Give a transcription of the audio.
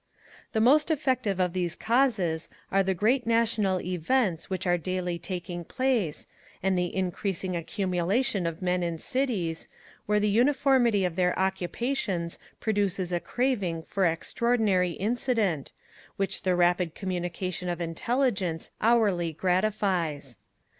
The most effective of these causes are the great national events which are daily taking place, and the increasing accumulation of men in cities, where the uniformity of their occupations produces a craving for extraordinary incident, which the rapid communication of intelligence hourly gratifies.